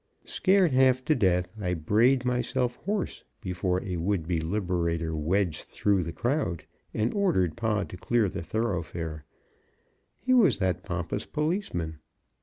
Scared half to death, I brayed myself hoarse before a would be liberator wedged through the crowd and order Pod to clear the thoroughfare. He was that pompous policeman.